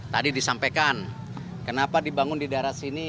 tadi disampaikan kenapa dibangun di daerah sini